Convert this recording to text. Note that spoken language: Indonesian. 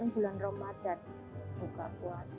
di bulan ramadhan buka puasa